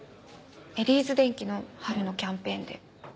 エディーズ電機の春のキャンペーンで。